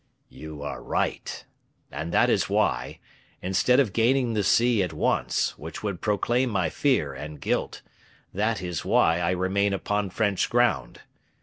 "You are right. And that is why, instead of gaining the sea at once, which would proclaim my fear and guilt, that is why I remain upon French ground.